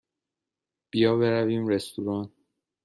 بیا برویم رستوران.